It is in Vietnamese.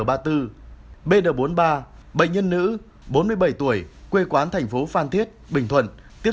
bn bốn mươi ba bệnh nhân nữ bốn mươi bảy tuổi quê quán thành phố phan thiết bình thuận tiếp